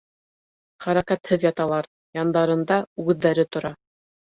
Хәрәкәтһеҙ яталар, яндарында үгеҙҙәре тора.